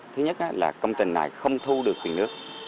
thứ nhất là công trình này không thu được tiền nước